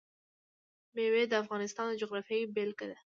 مېوې د افغانستان د جغرافیې بېلګه ده.